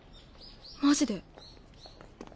マジで？